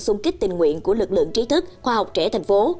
xung kích tình nguyện của lực lượng trí thức khoa học trẻ thành phố